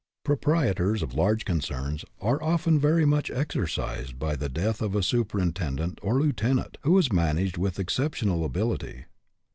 Proprietors of large concerns are often very much exercised by the death of a superintend ent or lieutenant who has managed with ex jceptional ability.